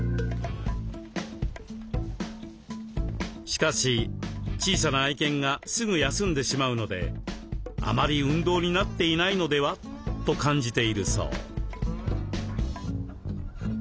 しかし小さな愛犬がすぐ休んでしまうのであまり運動になっていないのでは？と感じているそう。